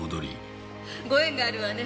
ご縁があるわね。